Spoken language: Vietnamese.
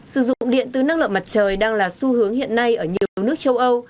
sử dụng điện từ năng lượng mặt trời đang là xu hướng hiện nay ở nhiều nước châu âu